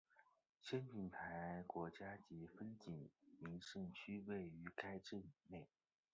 仙景台国家级风景名胜区位于该镇内。